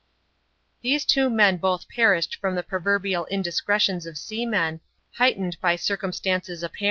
These two men both perished from the pTOvec\Aal \Xk<dA»Rx^ tjooff of seamen, heightened by circumstances appatenX.